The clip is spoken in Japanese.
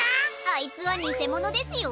あいつはにせものですよ。